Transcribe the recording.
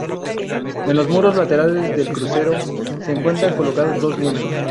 En los muros laterales del crucero se encuentran colocados dos lienzos.